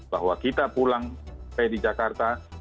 bahwa kita pulang ke jakarta